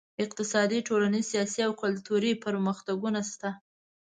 اقتصادي، ټولنیز، سیاسي او کلتوري پرمختګونه شته.